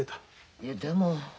いえでも。